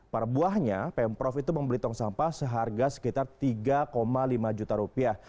para buahnya pemprov itu membeli tong sampah seharga sekitar rp tiga lima juta